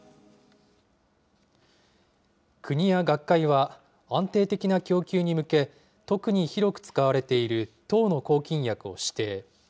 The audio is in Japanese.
国や学会は、安定的な供給に向け、特に広く使われている１０の抗菌薬を指定。